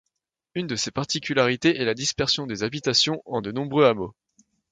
Une de ses particularités est la dispersion des habitations en de nombreux hameaux.